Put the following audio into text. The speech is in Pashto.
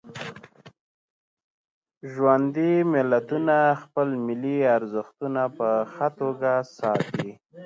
ژوندي ملتونه خپل ملي ارزښتونه په ښه توکه ساتي.